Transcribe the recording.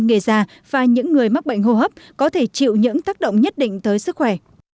người già và những người mắc bệnh hô hấp có thể chịu những tác động nhất định tới sức khỏe